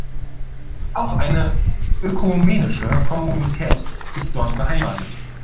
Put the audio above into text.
Auch eine ökumenische Kommunität ist dort beheimatet.